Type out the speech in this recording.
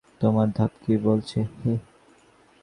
তোমার ধাত কী বলছে হে?